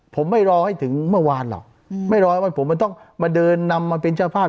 ผมไม่รอให้ถึงเมื่อวานหรอกไม่รอว่าผมมันต้องมาเดินนำมาเป็นเจ้าภาพ